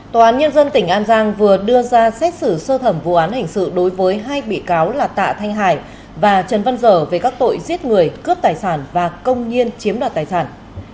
tòa án nhân dân tỉnh an giang vừa đưa ra xét xử sơ thẩm vụ án hình sự đối với hai bị cáo là tạ thanh hải và trần văn dở về các tội giết người cướp tài sản và công nhiên chiếm đoạt tài sản